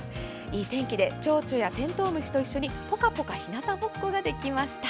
いい天気で、チョウチョウやてんとう虫と一緒にぽかぽかひなたぼっこができました。